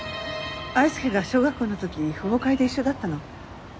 愛介が小学校の時父母会で一緒だったの。